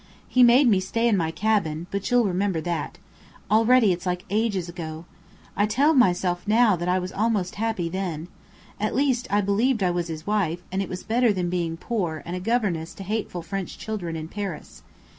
He made me stay in my cabin but you'll remember that. Already it's like ages ago! I tell myself now that I was almost happy then. At least, I believed I was his wife, and that it was better than being poor, and a governess to hateful French children in Paris.